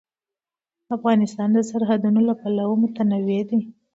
افغانستان د سرحدونه له پلوه متنوع دی.